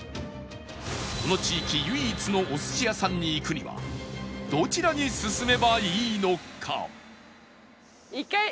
この地域唯一のお寿司屋さんに行くにはどちらに進めばいいのか？